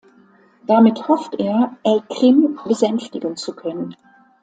Damit hofft er, El Krim besänftigen zu können.